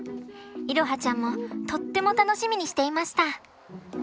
彩羽ちゃんもとっても楽しみにしていました。